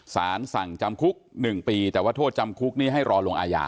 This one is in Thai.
สารสั่งจำคุก๑ปีแต่ว่าโทษจำคุกนี้ให้รอลงอาญา